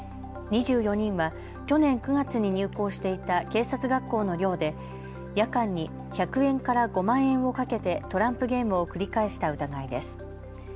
２４人は去年９月に入校していた警察学校の寮で夜間に１００円から５万円を賭けてトランプゲームを繰り返した疑いです。